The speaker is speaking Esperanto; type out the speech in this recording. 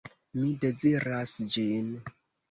Mi deziras ĝin.